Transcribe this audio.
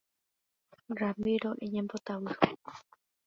Ramíro eñembojápy